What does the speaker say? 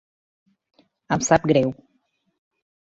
Em sap greu.